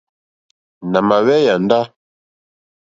Nà mà hwé yāndá.